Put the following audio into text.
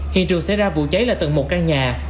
hiện trường xảy ra vụ cháy là tầng một căn nhà